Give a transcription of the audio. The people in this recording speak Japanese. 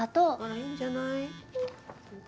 あらいいんじゃない？